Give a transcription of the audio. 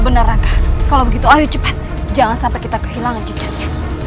benar raka kalau begitu ayo cepat jangan sampai kita kehilangan cicatnya